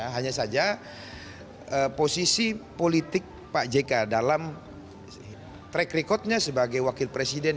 hanya saja posisi politik pak jk dalam track recordnya sebagai wakil presiden